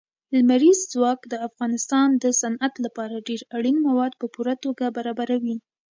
لمریز ځواک د افغانستان د صنعت لپاره ډېر اړین مواد په پوره توګه برابروي.